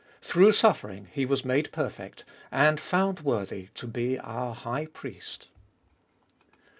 Through suffering He was made perfect, and found worthy to be our High Priest.